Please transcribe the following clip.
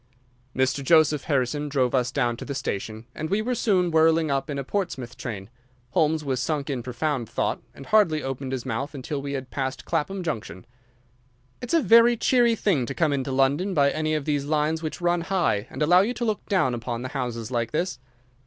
Mr. Joseph Harrison drove us down to the station, and we were soon whirling up in a Portsmouth train. Holmes was sunk in profound thought, and hardly opened his mouth until we had passed Clapham Junction. "It's a very cheery thing to come into London by any of these lines which run high, and allow you to look down upon the houses like this."